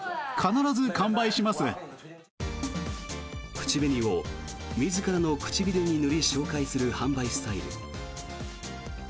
口紅を自らの唇に塗り紹介する、販売スタイル。